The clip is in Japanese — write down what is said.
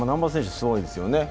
すごいんですよね。